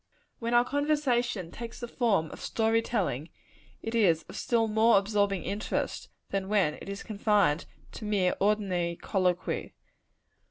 When our conversation takes the form of story telling, it is of still more absorbing interest, than when it is confined to mere ordinary colloquy.